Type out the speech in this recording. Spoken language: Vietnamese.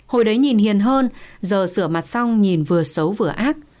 hồi đấy nhìn hiền hơn giờ sửa mặt xong nhìn vừa xấu vừa ác